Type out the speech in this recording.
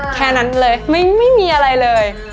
แค่นั้นเลยไม่มีอะไรเลย